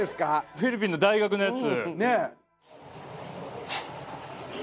フィリピンの大学のやつ。